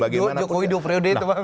joko widup rewde itu